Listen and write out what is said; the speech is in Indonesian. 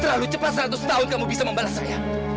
terlalu cepat seratus tahun kamu bisa membalas saya